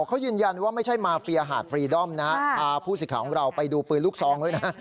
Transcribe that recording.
เขายืนยันว่าไม่ใช่มาเฟียหาดฟรีดอมนะฮะพาผู้สิทธิ์ของเราไปดูปืนลูกซองด้วยนะ